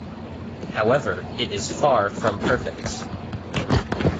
However it is far from perfect.